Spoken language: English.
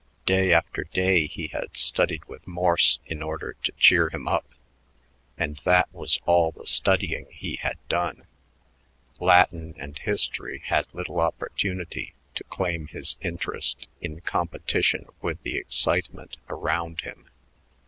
Day after day he had studied with Morse in order to cheer him up; and that was all the studying he had done. Latin and history had little opportunity to claim his interest in competition with the excitement around him.